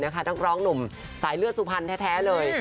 น้องปร้องหนุ่มสายเลือดแท้เลย